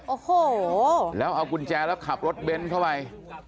โอ้โหแล้วเอากุญแจแล้วขับรถเบ้นเข้าไป